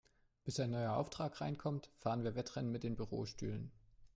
Bis ein neuer Auftrag reinkommt, fahren wir Wettrennen mit den Bürostühlen.